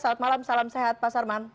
salam sehat pak sarman